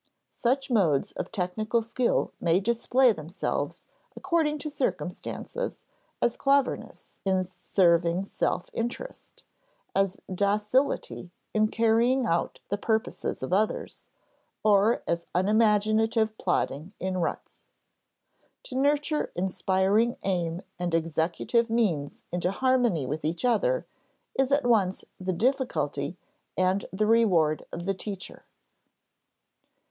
Such modes of technical skill may display themselves, according to circumstances, as cleverness in serving self interest, as docility in carrying out the purposes of others, or as unimaginative plodding in ruts. To nurture inspiring aim and executive means into harmony with each other is at once the difficulty and the reward of the teacher.